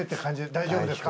大丈夫ですか？